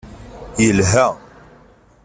Yelha.